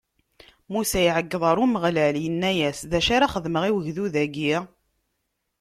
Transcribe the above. Musa iɛeggeḍ ɣer Umeɣlal, inna-as: D acu ara xedmeɣ i ugdud-agi?